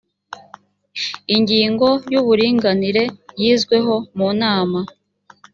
ingingo y’ uburinganire yizweho munama.